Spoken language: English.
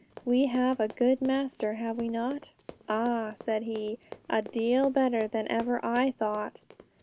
we have a good Master, have we not?' 'Ah,' said he, 'a deal better than ever I thought!'